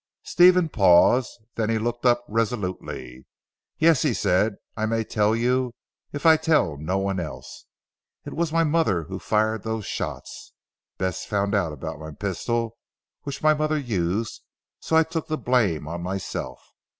Stephen paused. Then he looked up resolutely. "Yes," he said, "I may tell you, if I tell no one else. It was my mother who fired those shots. Bess found out about my pistol which my mother used, so I took the blame on myself."